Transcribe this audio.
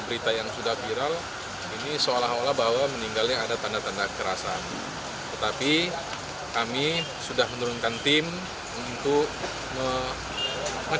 berita tersebut berkoordinasi dengan orang tua berkoordinasi dengan saksi saksi untuk melihat apakah terhadap almerhumah ini meninggalnya